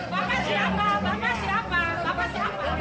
bapak siapa bapak siapa bapak siapa